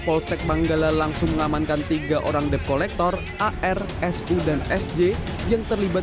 polsek manggala langsung mengamankan tiga orang debt collector ar su dan sj yang terlibat